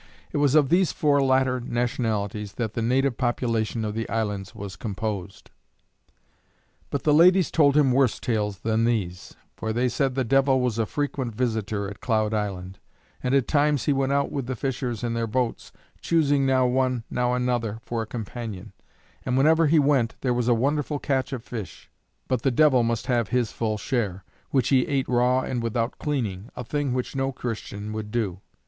It was of these four latter nationalities that the native population of the islands was composed. But the ladies told him worse tales than these, for they said the devil was a frequent visitor at Cloud Island, and at times he went out with the fishers in their boats, choosing now one, now another, for a companion; and whenever he went, there was a wonderful catch of fish; but the devil must have his full share, which he ate raw and without cleaning a thing which no Christian could do.